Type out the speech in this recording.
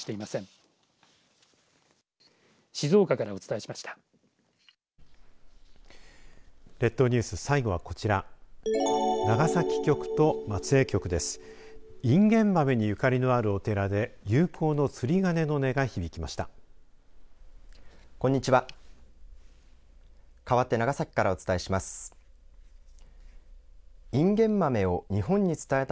インゲン豆にゆかりのあるお寺で友好の釣り鐘の音が響きました。